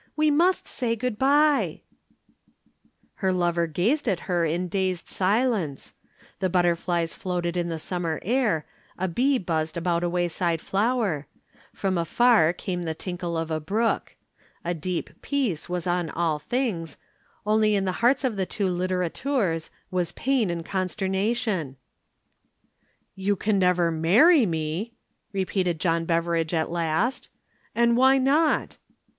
We must say 'good bye.'" Her lover gazed at her in dazed silence. The butterflies floated in the summer air, a bee buzzed about a wayside flower, from afar came the tinkle of a brook. A deep peace was on all things only in the hearts of the two littérateurs was pain and consternation. [Illustration: The Confession of Ellaline.] "You can never marry me!" repeated John Beveridge at last. "And why not?"